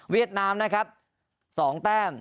เวียดนามนะครับ๒แต้ม